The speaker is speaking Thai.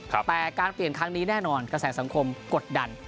แต่การเปลี่ยนครั้งนี้แน่นอนกระแสสังคมกดดัน